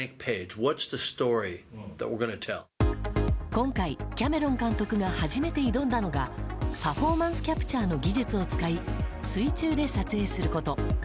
今回、キャメロン監督が初めて挑んだのがパフォーマンスキャプチャーの技術を使い水中で撮影すること。